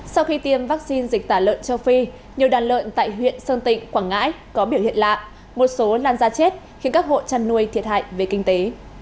sau khi tiêm vắc xin dịch tả lợn châu phi nhiều đàn lợn tại huyện sơn tịnh quảng ngãi có biểu hiện lạ một số lan ra chết khiến các hộ trăn nuôi thiệt hại về kinh tế